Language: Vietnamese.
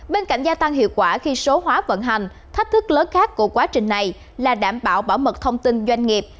bên cạnh gia tăng hiệu quả khi số hóa vận hành thách thức lớn khác của quá trình này là đảm bảo bảo mật thông tin doanh nghiệp